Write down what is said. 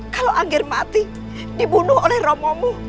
kalau angger mati dibunuh oleh romomu